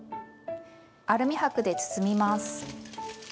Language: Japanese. アルミ箔で包みます。